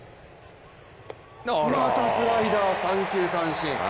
またスライダー、三球三振。